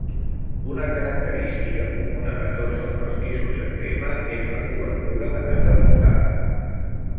Una característica comuna de tots els pastissos de crema és la cobertura de nata muntada.